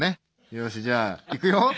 よしじゃあいくよ。